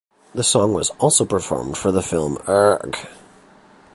The song was also performed for the film Urgh!